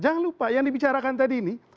jangan lupa yang dibicarakan tadi ini